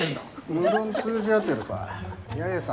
無論、通じ合ってるさ。